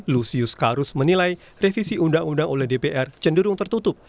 lusius karus menilai revisi undang undang oleh dpr cenderung tertutup